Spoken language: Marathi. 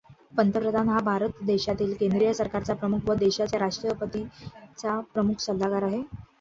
पंतप्रधान हा भारत देशामधील केंद्रीय सरकारचा प्रमुख व देशाच्या राष्ट्रपतीचा प्रमुख सल्लागार आहे.